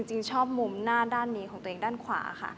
จริงชอบมุมหน้าด้านนี้ของตัวเองด้านขวาค่ะ